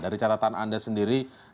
dari catatan anda sendiri